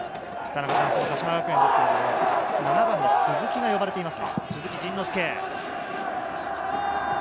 鹿島学園は７番の鈴木仁之介が呼ばれていますね。